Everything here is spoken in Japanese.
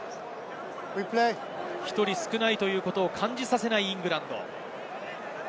１人少ないということを感じさせないイングランド。